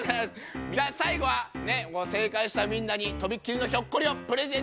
じゃあ最後は正解したみんなに飛びっ切りのひょっこりをプレゼントしよう！